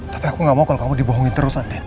tapi aku gak mau kalau kamu dibohongin terus andin